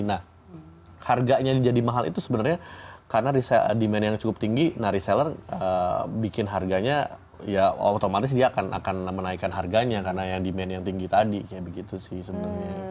nah harganya jadi mahal itu sebenarnya karena demand yang cukup tinggi nah reseller bikin harganya ya otomatis dia akan menaikkan harganya karena yang demand yang tinggi tadi kayak begitu sih sebenarnya